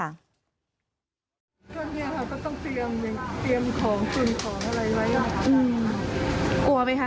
ตอนนี้ค่ะก็ต้องเตรียมของเตรียมของอะไรไว้ค่ะ